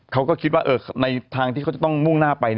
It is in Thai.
เขาก็คิดว่าในทางที่เขาจะต้องมุ่งหน้าไป